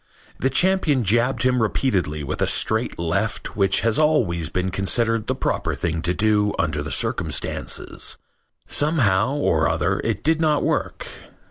The champion jabbed him repeatedly with a straight left which has always been considered the proper thing to do under the circumstances. Somehow or other it did not work.